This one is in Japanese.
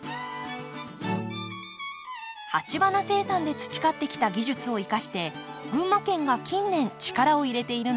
鉢花生産で培ってきた技術を生かして群馬県が近年力を入れているのがカーネーション。